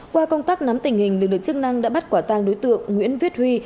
qua công tác nắm tình hình lực lượng chức năng đã bắt quả tang đối tượng nguyễn viết huy